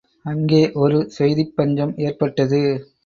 அங்கே ஒரு செய்திப் பஞ்சம் ஏற்பட்டது.